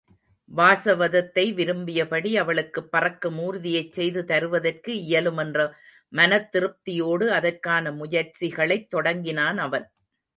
வாசவதத்தை விரும்பியபடியே அவளுக்குப் பறக்கும் ஊர்தியைச் செய்து தருவதற்கு இயலும் என்ற மனத்திருப்தியோடு அதற்கான முயற்சிகளைத் தொடங்கினான் அவன்.